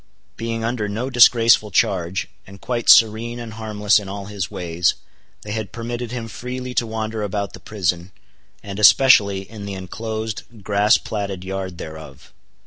Being under no disgraceful charge, and quite serene and harmless in all his ways, they had permitted him freely to wander about the prison, and especially in the inclosed grass platted yard thereof.